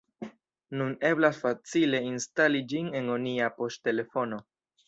nun eblas facile instali ĝin en onia poŝtelefono.